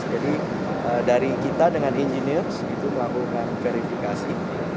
jadi dari kita dengan engineer itu melakukan verifikasi